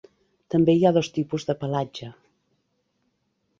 També hi ha dos tipus de pelatge.